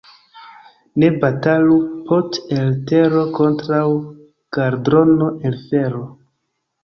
Ne batalu pot' el tero kontraŭ kaldrono el fero.